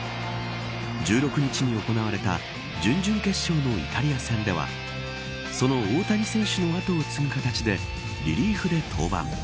１６日に行われた準々決勝のイタリア戦ではその大谷選手の後を継ぐ形でリリーフで登板。